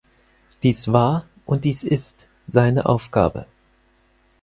Dies war und dies ist seine Aufgabe.